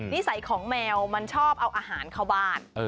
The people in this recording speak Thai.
นิสัยของแมวมันชอบเอาอาหารเข้าบ้าน